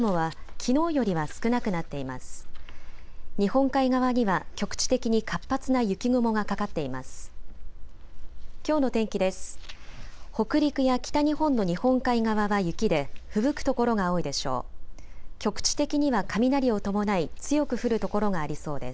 きょうの天気です。